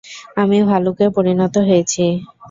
আমি ভালুকে পরিণত হয়েছি।